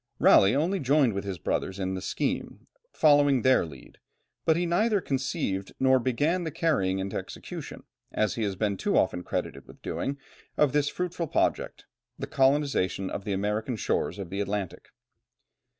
Raleigh only joined with his brothers in the scheme, following their lead, but he neither conceived nor began the carrying into execution as he has been too often credited with doing of this fruitful project, the colonization of the American shores of the Atlantic.